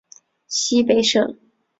西北省